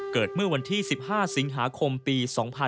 เกิดเมื่อวันที่๑๕สิงหาคมปี๒๕๕๙